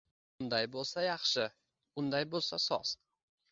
Unday bo’lsa, yaxshi, unday bo’lsa soz.